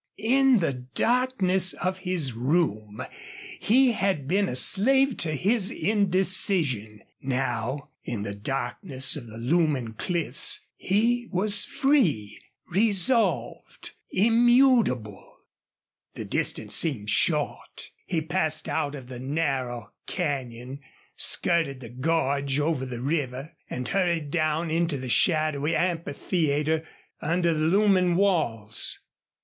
In the darkness of his room he had been a slave to his indecision; now in the darkness of the looming cliffs he was free, resolved, immutable. The distance seemed short. He passed out of the narrow canyon, skirted the gorge over the river, and hurried down into the shadowy amphitheater under the looming walls.